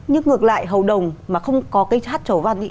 nhưng ngược lại hầu đồng mà không có cái hát trầu văn ấy